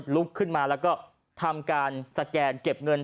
ลุกขึ้นมาแล้วก็ทำการสแกนเก็บเงิน